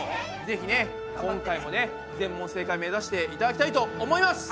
ぜひね今回もね全問正解目指していただきたいと思います。